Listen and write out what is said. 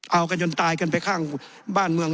เอากันจนตายกันไปข้างบ้านเมือง